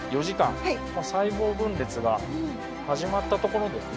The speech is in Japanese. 細胞分裂が始まったところですね。